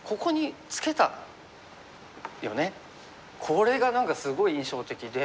これが何かすごい印象的で。